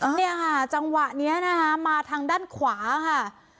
เนี่ยค่ะจังหวะนี้นะคะมาทางด้านขวาค่ะ